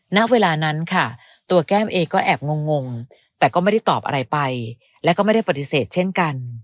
ณเวลานั้นค่ะตัวแก้มเองก็แอบงงแต่ก็ไม่ได้ตอบอะไรไปแล้วก็ไม่ได้ปฏิเสธเช่นกัน